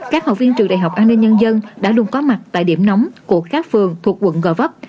các học viên trường đại học an ninh nhân dân đã luôn có mặt tại điểm nóng của các phường thuộc quận gò vấp